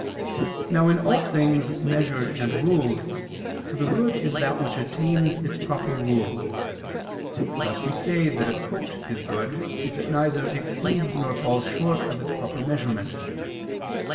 Now in all things measured and ruled, the good is that which attains its proper rule: thus we say that a coat is good if it neither exceeds nor falls short of its proper measurement.